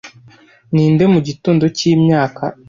ninde mugitondo cyimyaka